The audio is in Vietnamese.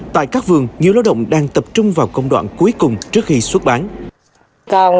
tại các vườn nhiều lao động đang tập trung vào công đoạn cuối cùng trước khi xuất bán